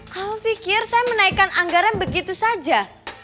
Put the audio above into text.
kau pikir saya menaikkan anggaran begitu saja